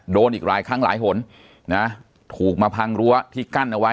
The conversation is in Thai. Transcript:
โดนอีกหลายครั้งหลายหนนะถูกมาพังรั้วที่กั้นเอาไว้